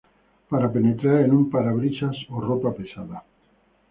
Para penetrar en un parabrisas o ropa pesada.